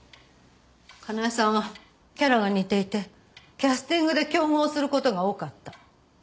かなえさんはキャラが似ていてキャスティングで競合する事が多かった。